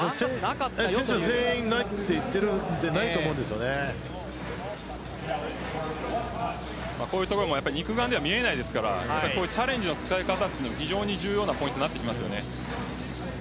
選手は全員ないって言っているのでこういうところも肉眼では見えないですからチャレンジの使い方は非常に重要なポイントになってきます。